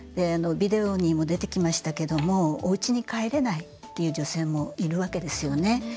ビデオにも出てきましたけどもおうちに帰れないという女性もいるわけです。